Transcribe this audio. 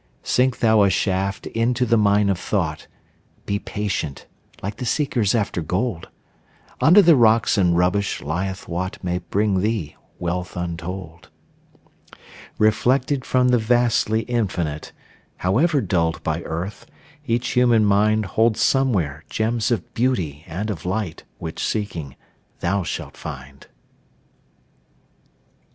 Sink thou a shaft into the mine of thought; Be patient, like the seekers after gold; Under the rocks and rubbish lieth what May bring thee wealth untold. Reflected from the vastly Infinite, However dulled by earth, each human mind Holds somewhere gems of beauty and of light Which, seeking, thou shalt find.